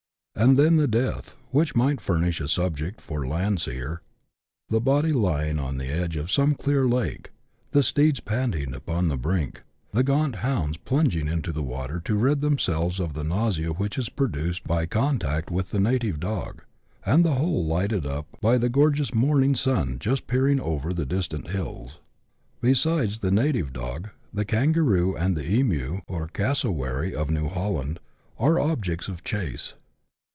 And then the death, which might furnish a subject for Land seer, the body lying on the edge of some clear lake, the steeds panting upon the brink, the gaunt hounds plunging into the water to rid themselves of the nausea which is produced by con 118 BUSH LIFE IN AUSTRALIA. [chap. xi. tact with the native dog, and the whole lighted up by the gorgeous morning sun just peering over the distant hills. Besides the native dog, the kangaroo and the emu, or casso wary of New Holland, are objects of chase.